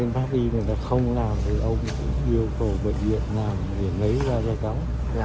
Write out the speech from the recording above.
bên pháp y người ta không làm thì ông yêu cầu bệnh viện nào để lấy ra cho cháu